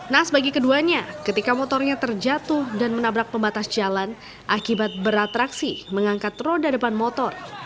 nas bagi keduanya ketika motornya terjatuh dan menabrak pembatas jalan akibat beratraksi mengangkat roda depan motor